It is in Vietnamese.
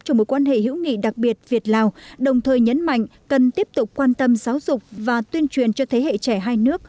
cho mối quan hệ hữu nghị đặc biệt việt lào đồng thời nhấn mạnh cần tiếp tục quan tâm giáo dục và tuyên truyền cho thế hệ trẻ hai nước